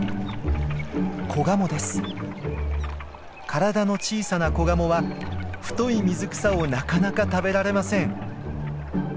体の小さなコガモは太い水草をなかなか食べられません。